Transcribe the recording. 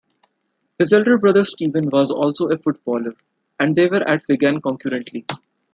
His elder brother, Steven, was also a footballer and they were at Wigan concurrently.